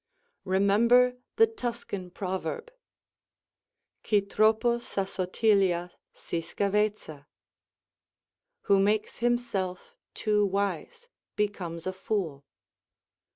Remember the Tuscan proverb: Chi troppo s'assottiglia, si scavezza. "Who makes himself too wise, becomes a fool."